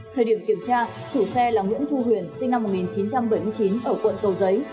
thời điểm kiểm tra chủ xe là nguyễn thu huyền sinh năm một nghìn chín trăm bảy mươi chín ở quận cầu giấy